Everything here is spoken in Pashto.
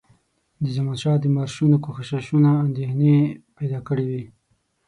د زمانشاه د مارشونو کوښښونو اندېښنې پیدا کړي وې.